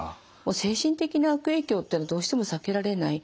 精神的な悪影響っていうのはどうしても避けられない。